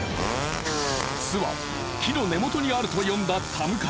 巣は木の根元にあると読んだ田迎。